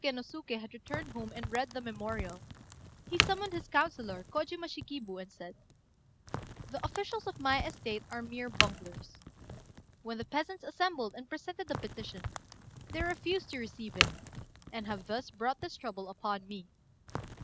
] When Hotta Kôtsuké no Suké had returned home and read the memorial, he summoned his councillor, Kojima Shikibu, and said "The officials of my estate are mere bunglers. When the peasants assembled and presented a petition, they refused to receive it, and have thus brought this trouble upon me.